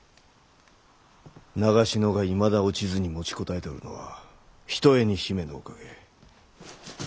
長篠がいまだ落ちずに持ちこたえておるのはひとえに姫のおかげ。